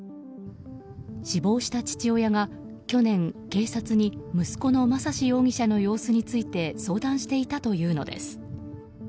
死亡した父親が去年、警察に息子の正嗣容疑者の様子について相談していたというのです。